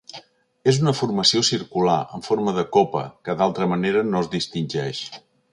És una formació circular, en forma de copa, que d'altra manera no es distingeix.